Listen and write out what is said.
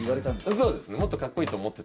そうです。